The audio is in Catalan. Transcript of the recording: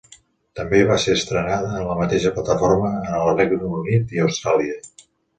També, va ser estrenada en la mateixa plataforma en el Regne Unit i a Austràlia.